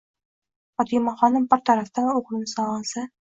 Fotimaxonim bir tarafdan o'g'lini sog'insa